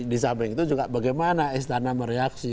di samping itu juga bagaimana istana mereaksi